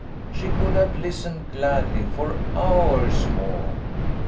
She could have listened gladly for hours more.